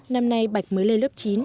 năm nay bạch mới lên lớp chín